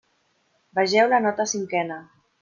Vegeu la nota cinquena.